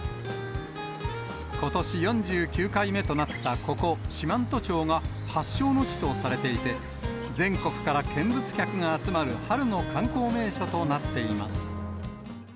ことし４９回目となった、ここ四万十町が、発祥の地とされていて、全国から見物客が集まる春の観光名所となっています。